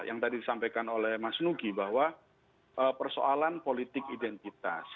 yang tadi disampaikan oleh mas nugi bahwa persoalan politik identitas